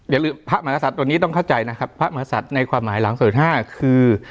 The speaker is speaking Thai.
อย่าลืมพระมหากษัตริย์ตัวนี้ต้องเข้าใจนะครับพระมหาศัตริย์ในความหมายหลังส่วนห้าคือ